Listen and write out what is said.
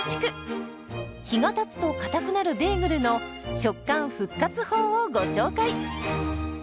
日がたつとかたくなるベーグルの食感復活法をご紹介。